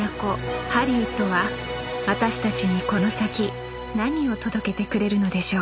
ハリウッドは私たちにこの先何を届けてくれるのでしょう